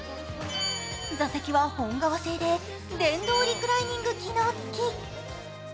座席は本革製で電動リクライニング機能付き。